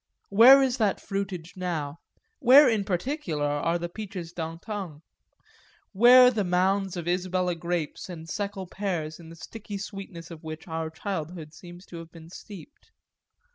Where is that fruitage now, where in particular are the peaches d'antan? where the mounds of Isabella grapes and Seckel pears in the sticky sweetness of which our childhood seems to have been steeped?